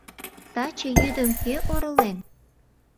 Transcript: Таче йӱдым кӧ оролен?